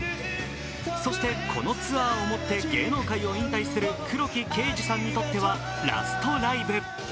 そしてこのツアーをもって芸能界を引退する黒木啓司さんにとってはラストライブ。